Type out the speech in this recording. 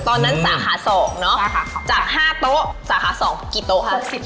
ตอนนั้นสาขา๒เนอะจาก๕โต๊ะสาขา๒กี่โต๊ะครับ